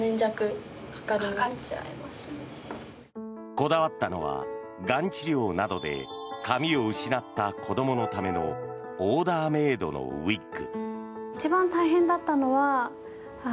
こだわったのはがん治療などで髪を失った子どものためのオーダーメイドのウィッグ。